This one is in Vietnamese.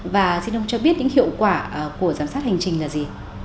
và xin ông cho biết những hiệu quả của giám sát hành trình là gì